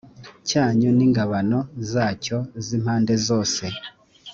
cyanyu n ingabano zacyo z impande zose